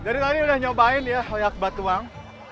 dari tadi udah nyobain ya hoyak batuang